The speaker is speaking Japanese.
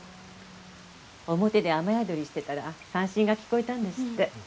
表で雨宿りしてたら三線が聞こえたんですって。